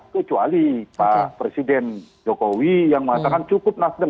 kecuali pak presiden jokowi yang mengatakan cukup nasdem